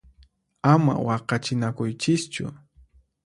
Ama waqachinakuychischu!